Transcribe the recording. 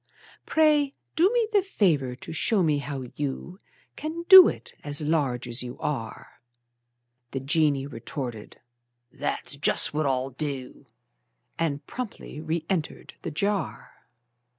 Pray do me the favor to show me how you Can do it, as large as you are." The genie retorted: "That's just what I'll do!" And promptly reëntered the jar.